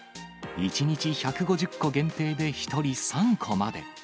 １日１５０個限定で１人３個まで。